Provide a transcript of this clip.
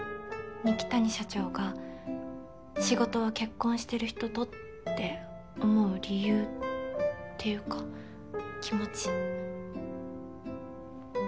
二木谷社長が仕事は結婚してる人とって思う理由っていうか気持ち。